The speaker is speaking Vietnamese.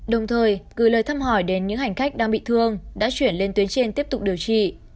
đồng thời gửi lời thăm hỏi đến những hành khách đang bị thương đã chuyển lên tuyến trên tiếp tục điều trị